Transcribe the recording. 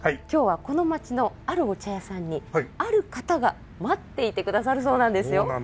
今日はこの街のあるお茶屋さんにある方が待っていてくださるそうなんですよ。